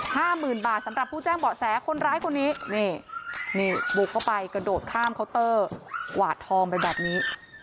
ห้าหมื่นบาทสำหรับผู้แจ้งเบาะแสคนร้ายคนนี้นี่นี่บุกเข้าไปกระโดดข้ามเคาน์เตอร์กวาดทองไปแบบนี้